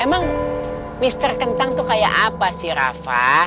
emang mister kentang tuh kayak apa sih rafa